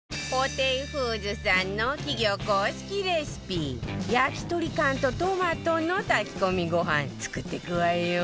ホテイフーズさんの企業公式レシピ焼き鳥缶とトマトの炊き込みご飯作っていくわよ